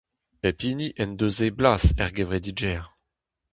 Pep hini en deus e blas er gevredigezh.